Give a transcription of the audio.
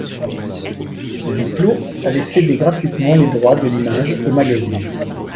Duclos avait cédé gratuitement les droits de l'image au magazine.